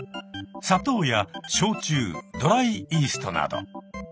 砂糖や焼酎ドライイーストなど。